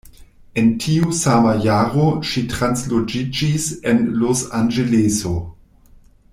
En tiu sama jaro ŝi transloĝiĝis al Losanĝeleso.